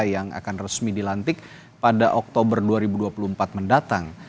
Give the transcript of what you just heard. yang akan resmi dilantik pada oktober dua ribu dua puluh empat mendatang